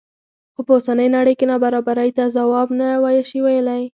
خو په اوسنۍ نړۍ کې نابرابرۍ ته ځواب نه شي ویلی.